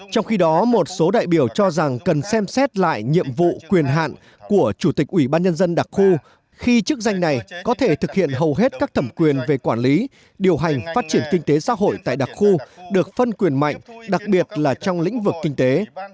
trong khi đó một số đại biểu cho rằng cần xem xét lại nhiệm vụ quyền hạn của chủ tịch ủy ban nhân dân đặc khu khi chức danh này có thể thực hiện hầu hết các thẩm quyền về quản lý điều hành phát triển kinh tế xã hội tại đặc khu được phân quyền mạnh đặc biệt là trong lĩnh vực kinh tế